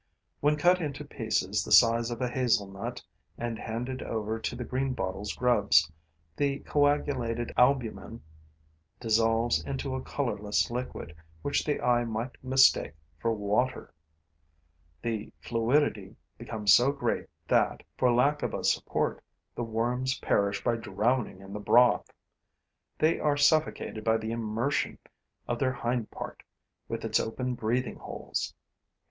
When cut into pieces the size of a hazel nut and handed over to the greenbottle's grubs, the coagulated albumen dissolves into a colorless liquid which the eye might mistake for water. The fluidity becomes so great that, for lack of a support, the worms perish by drowning in the broth; they are suffocated by the immersion of their hind part, with its open breathing holes.